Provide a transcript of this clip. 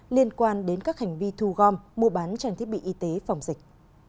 liên quan đến các hành vi thu gom mua bán trang thiết bị y tế phòng dịch